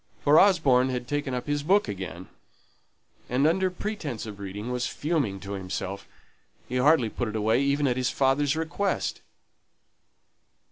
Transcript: For Osborne had taken up his book again, and under pretence of reading, was fuming to himself. He hardly put it away even at his father's request.